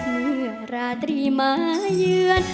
เมื่อราตรีมาเยือน